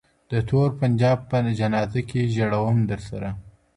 د تور پنجاب په جنازه کي ژړوم درسره